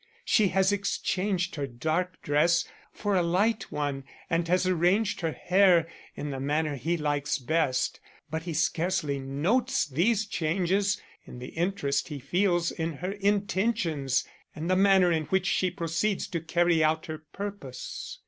She has exchanged her dark dress for a light one and has arranged her hair in the manner he likes best. But he scarcely notes these changes in the interest he feels in her intentions and the manner in which she proceeds to carry out her purpose.